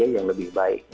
yang lebih baik